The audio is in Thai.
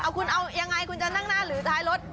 คุณเอายังไงคุณจะนั่งหน้าหรือท้ายรถ